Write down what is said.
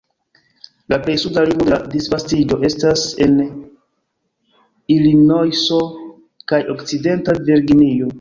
La plej suda limo de la disvastiĝo estas en Ilinojso kaj Okcidenta Virginio.